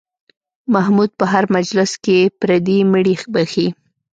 محمود په هر مجلس کې پردي مړي بښي.